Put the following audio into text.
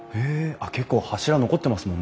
あっ結構柱残ってますもんね。